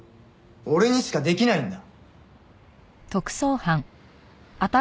俺にしかできないんだ！